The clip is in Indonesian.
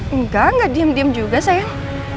enggak gak diem diem juga sayang